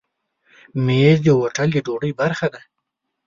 مېز د هوټل د ډوډۍ برخه ده.